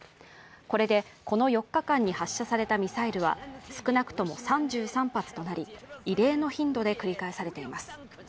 これでこの４日間に発射されたミサイルは少なくとも３３発となり異例の頻度で繰り返されています。